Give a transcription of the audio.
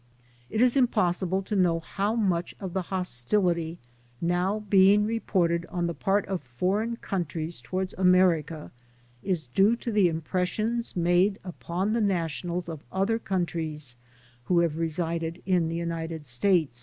It is impos sible to know how much of the hostility now being re ported on the part of foreign countries against America is due to the impressions made upon the nationals of other countries who have resided in the United States.